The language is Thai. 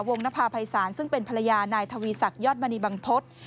วงภาภายสรรค์ซึ่งเป็นภรรยานายทวีศักดิ์ยอดมณีบังพฤ